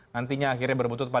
nantinya akhirnya berbutuh